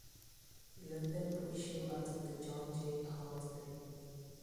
You let them push you out of John Jay Hall today.